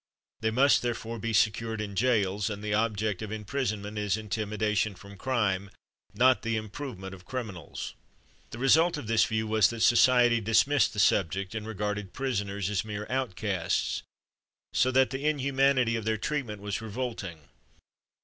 They must therefore be secured in jails, and the object of imprisonment is intimidation from crime, not the improvement of criminals. The result of this view was that society dismissed the subject, and regarded prisoners as mere outcasts, so that the inhumanity of their treatment was revolting.